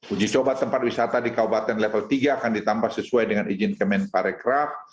uji coba tempat wisata di kabupaten level tiga akan ditambah sesuai dengan izin kemen parekraf